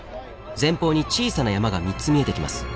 前方に小さな山が３つ見えてきます。